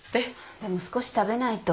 でも少し食べないと。